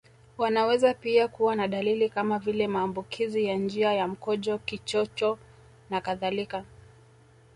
Wanaweza pia kuwa na dalili kama vile maambukizi ya njia ya mkojo Kichocho nakadhalika